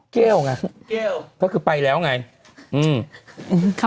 แก้วไงเก้วเพราะคือไปแล้วไงอืม